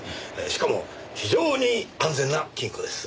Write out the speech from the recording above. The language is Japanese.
しかも非常に安全な金庫です。